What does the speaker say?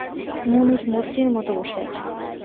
মুনির মূর্তির মতো বসে আছে।